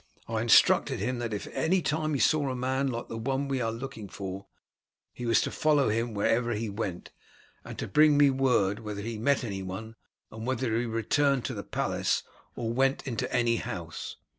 I instructed him that if at any time he saw a man like the one we are looking for he was to follow him wherever he went, and to bring me word whether he met anyone and whether he returned to the palace or went into any house.